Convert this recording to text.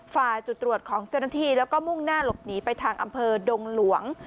ฝ่าจุดตรวจของเจ้าหน้าที่แล้วก็มุ่งหน้าหลบหนีไปทางอำเภอดงหลวง